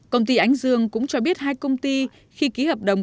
công ty ánh dương cũng cho biết hai công ty khi ký hợp đồng